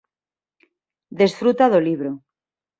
Desfruta do libro.